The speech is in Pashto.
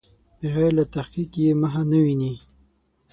بغیر له تحقیق یې مخه نه ویني.